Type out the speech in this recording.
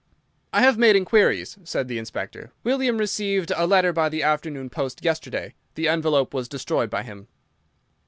"I have made inquiries," said the Inspector. "William received a letter by the afternoon post yesterday. The envelope was destroyed by him."